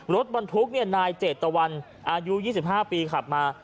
รถบรรทุกนายเจตวันอายุ๒๕ปีขับมา